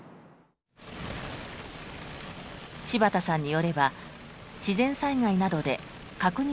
柴田さんによれば自然災害などで確認